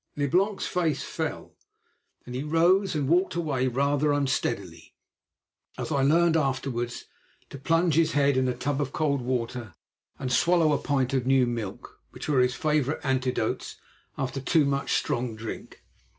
Leblanc's face fell. Then he rose and walked away rather unsteadily; as I learned afterwards, to plunge his head in a tub of cold water and swallow a pint of new milk, which were his favourite antidotes after too much strong drink.